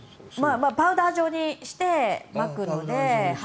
パウダー状にしてまくので。